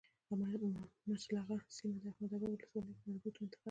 مچلغو سيمه د احمداباد ولسوالی مربوطه منطقه ده